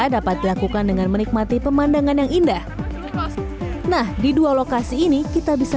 dapat dilakukan dengan menikmati pemandangan yang indah nah di dua lokasi ini kita bisa